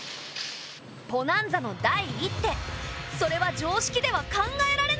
ポナンザの第１手それは常識では考えられない手だった。